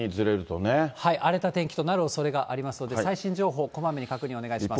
荒れた天気となるおそれがありますので、最新情報、こまめに確認お願いします。